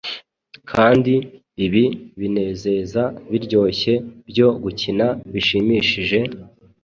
kandi ibi binezeza biryoshye byo gukina bishimishije,